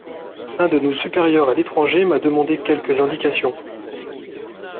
Un de nos supérieurs à l'étranger m'a demandé quelques indications.